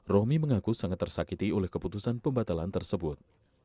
rohmi mengaku sangat tersakiti oleh keputusan pembatalan tersebut